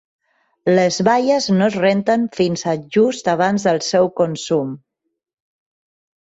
Les baies no es renten fins a just abans del seu consum.